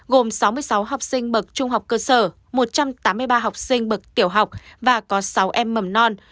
gồm sáu mươi sáu học sinh bậc trung học cơ sở một trăm tám mươi ba học sinh bậc tiểu học và có sáu em mầm non